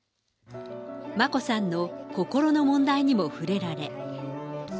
眞子さんの心の問題にも触れられ。